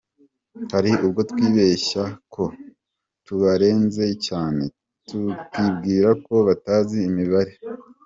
Hari ubwo twibeshya ko tubarenze cyane tukibwira ko batazi imibare.